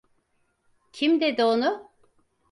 Kim dedi onu?